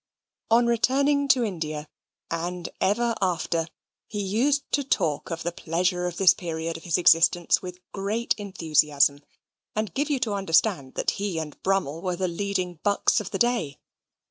On returning to India, and ever after, he used to talk of the pleasure of this period of his existence with great enthusiasm, and give you to understand that he and Brummel were the leading bucks of the day.